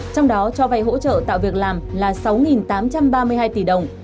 trong đó cho vay hỗ trợ tạo việc làm là sáu tám trăm ba mươi hai tỷ đồng